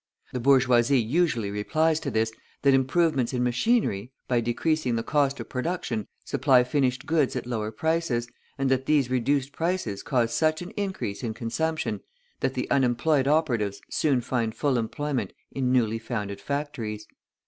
The bourgeoisie usually replies to this, that improvements in machinery, by decreasing the cost of production, supply finished goods at lower prices, and that these reduced prices cause such an increase in consumption that the unemployed operatives soon find full employment in newly founded factories.